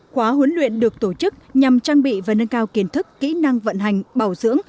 khóa huấn luyện được tổ chức nhằm trang bị và nâng cao kiến thức kỹ năng vận hành bảo dưỡng